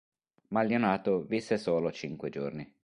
Ma il neonato visse solo cinque giorni.